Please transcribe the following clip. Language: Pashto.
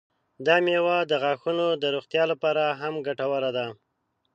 دا میوه د غاښونو د روغتیا لپاره هم ګټوره ده.